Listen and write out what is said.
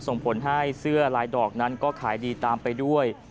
ส่งผลให้เสื้อลายดอกนั้นก็ขายดีตามไปด้วย